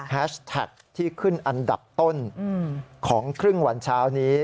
แท็กที่ขึ้นอันดับต้นของครึ่งวันเช้านี้